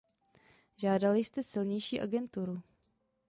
Žádali jste silnější agenturu.